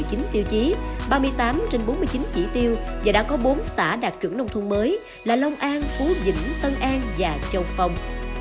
trên một mươi chín tiêu chí ba mươi tám trên bốn mươi chín chỉ tiêu và đã có bốn xã đạt trưởng nông thôn mới là long an phú vĩnh tân an và châu phong